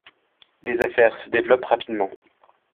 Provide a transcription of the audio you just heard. Les affaires se développent rapidement.